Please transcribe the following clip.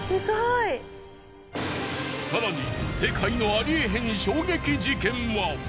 更に世界のありえへん衝撃事件は。